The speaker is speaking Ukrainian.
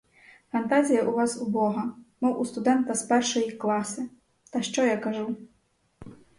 Фантазія у вас убога, мов у студента з першої класи, — та що я кажу?